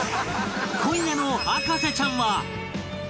今夜の『博士ちゃん』は